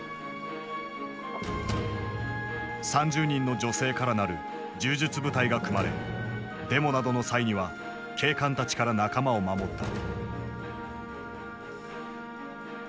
３０人の女性から成る柔術部隊が組まれデモなどの際には警官たちから仲間を守った。